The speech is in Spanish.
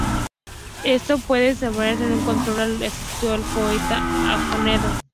Esto fue acompañado de un acto al que asistió el poeta homenajeado.